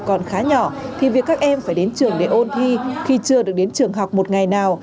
còn khá nhỏ thì việc các em phải đến trường để ôn thi khi chưa được đến trường học một ngày nào